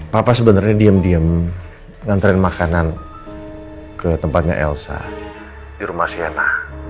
papa sebenarnya diem diem nganterin makanan ke tempatnya elsa di rumah siana